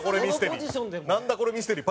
『何だコレ！？ミステリー』。